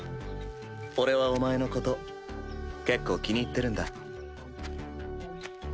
俺はお前のこと結構気に入ってるんだ。